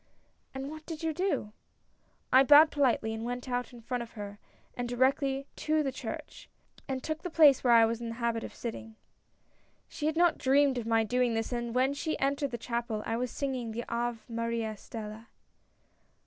" And what did you do ?"" I bowed politely, and went out in front of her and directly to the church, and took the place where I was in the habit of sitting. " She had not dreamed of my doing this, and when she entered the chapel, I was singing the Ave^ maris Stella.